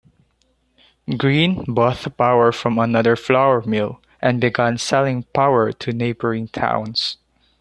Green bought power from another flour mill and began selling power to neighboring towns.